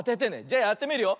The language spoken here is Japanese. じゃやってみるよ。